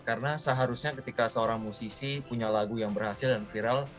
karena seharusnya ketika seorang musisi punya lagu yang berhasil dan viral